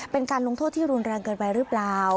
เป็นการลงโทษที่รุนแรงเกินไปหรือเปล่า